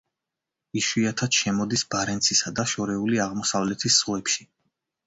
იშვიათად შემოდის ბარენცისა და შორეული აღმოსავლეთის ზღვებში.